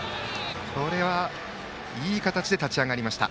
これはいい形で立ち上がりました。